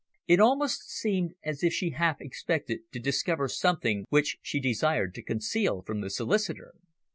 It almost seemed as if she half expected to discover something which she desired to conceal from the solicitor.